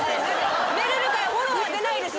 めるるからフォローは出ないです